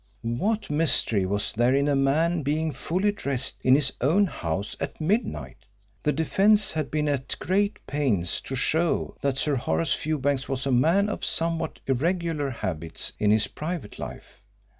What mystery was there in a man being fully dressed in his own house at midnight? The defence had been at great pains to show that Sir Horace Fewbanks was a man of somewhat irregular habits in his private life.